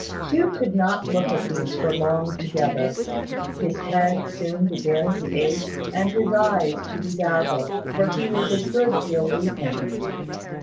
Hugh could not look at these for long together. His head soon began to ache, and his eyes to be dazzled; for he was a good deal weakened.